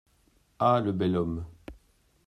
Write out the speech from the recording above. Ah ! le bel homme !